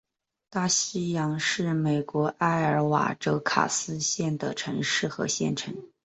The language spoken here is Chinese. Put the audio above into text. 大西洋是美国艾奥瓦州卡斯县的城市和县城。